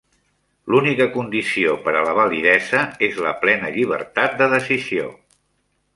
L'única condició per a la validesa és la plena llibertat de decisió.